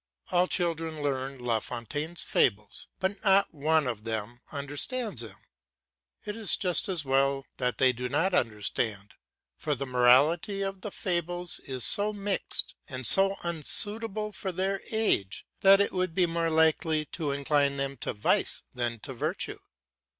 All children learn La Fontaine's fables, but not one of them understands them. It is just as well that they do not understand, for the morality of the fables is so mixed and so unsuitable for their age that it would be more likely to incline them to vice than to virtue.